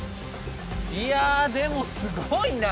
いやでもすごいな！